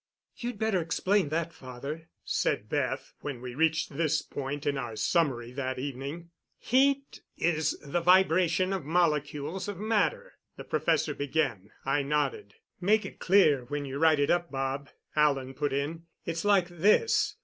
"You'd better explain that, father," said Beth, when we reached this point in our summary that evening. "Heat is the vibration of molecules of matter," the professor began. I nodded. "Make it clear when you write it up, Bob," Alan put in. "It's like this.